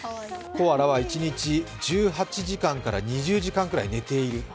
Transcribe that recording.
コアラは一日１８時間から２０時間くらい寝ている。